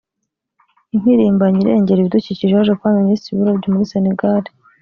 impirimbanyi irengera ibidukikije yaje kuba Minisitiri w’uburobyi muri Senegal